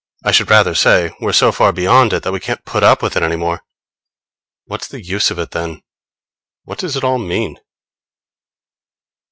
I should rather say we're so far beyond it that we can't put up with it any more. What's the use of it then? What does it all mean?